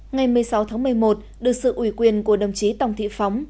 ngày một mươi sáu tháng một mươi một được sự ủy quyền của đồng chí tòng thị phóng